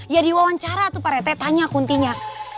ya di wawancara tuh pak rete tanya kuntinya